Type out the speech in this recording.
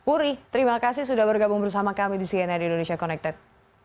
uri terima kasih sudah bergabung bersama kami di cnn indonesia connected